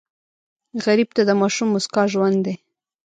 غریب ته د ماشوم موسکا ژوند دی